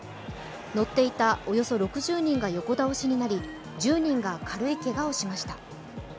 乗っていたおよそ６０人が横倒しになり、１０人が軽いけがをしました。